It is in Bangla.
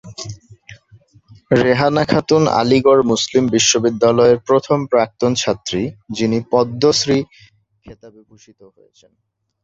রেহানা খাতুন আলীগড় মুসলিম বিশ্ববিদ্যালয়ের প্রথম প্রাক্তন ছাত্রী যিনি পদ্মশ্রী খেতাবে ভূষিত হয়েছেন।